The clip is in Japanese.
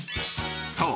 ［そう。